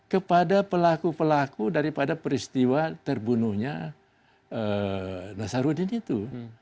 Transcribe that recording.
kepada pelaku pelaku daripada peristiwa terbunuhnya nasaruddin itu